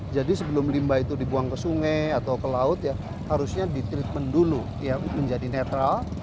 jadi sebelum limbah itu dibuang ke sungai atau ke laut ya harusnya di treatment dulu ya menjadi netral